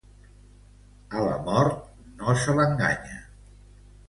A la mort, no se l'enganya.